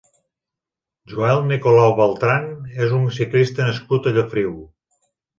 Joel Nicolau Beltrán és un ciclista nascut a Llofriu.